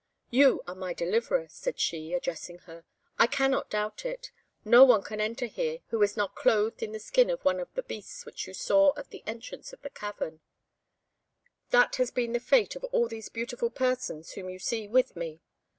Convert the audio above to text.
"You are my deliverer," said she, addressing her; "I cannot doubt it; no one can enter here who is not clothed in the skin of one of the beasts which you saw at the entrance of the cavern; that has been the fate of all these beautiful persons whom you see with me.